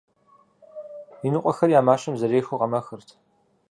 Иныкъуэхэри а мащэм зэрехыу къэмэхырт.